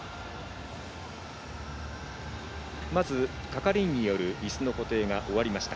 まず、係員によるいすの固定が終わりました。